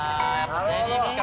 デニムか！